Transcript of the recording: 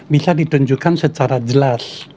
bisa ditunjukkan secara jelas